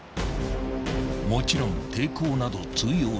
［もちろん抵抗など通用しない］